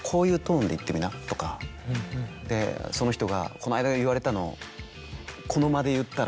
でその人が「この間言われたの」。